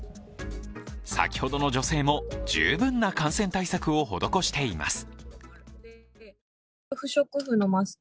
先ほどの女性も十分な感染対策を施しています。